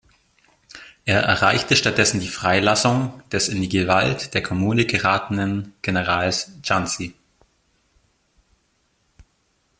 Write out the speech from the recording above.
Er erreichte stattdessen die Freilassung des in die Gewalt der Commune geratenen Generals Chanzy.